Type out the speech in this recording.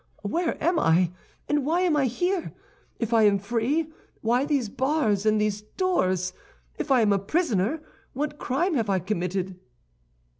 Where am I, and why am I here? If I am free, why these bars and these doors? If I am a prisoner, what crime have I committed?"